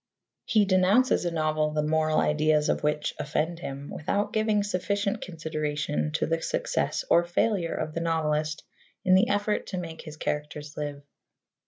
He denounces a novel the moral ideas of which offend him, without giving sufficient consideration to the success or failure of the novelist in the effort to make his characters live.